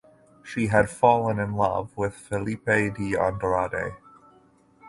She had fallen in love with Filipe de Andrade.